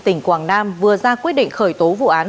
tỉnh quảng nam vừa ra quyết định khởi tố vụ án